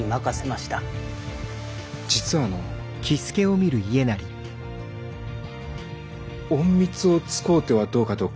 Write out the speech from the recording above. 実はの隠密を使うてはどうかと考えておるのじゃが。